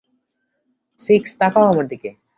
Six, তাকাও আমার দিকে।